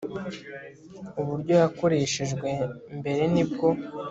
uburyo yakoreshejwe mbere nibwo